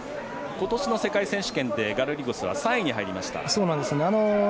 今年の世界選手権でガルリゴスは３位に入りました。